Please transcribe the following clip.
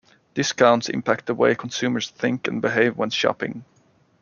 Discounts impact the way consumers think and behave when shopping.